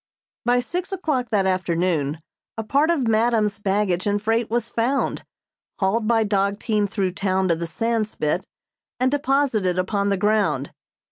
By six o'clock that afternoon a part of madam's baggage and freight was found, hauled by dog team through town to the Sandspit and deposited upon the ground.